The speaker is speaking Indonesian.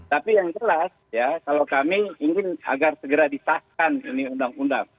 tapi yang jelas ya kalau kami ingin agar segera disahkan ini undang undang